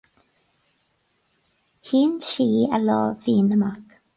Shín sí a lámh mhín amach.